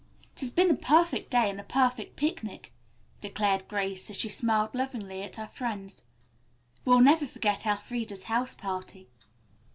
"It has been a perfect day and a perfect picnic," declared Grace as she smiled lovingly at her friends. "We'll never forget Elfreda's house party."